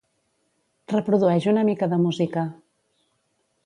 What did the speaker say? Reprodueix una mica de música.